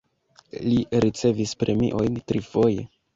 Li ricevis premiojn trifoje.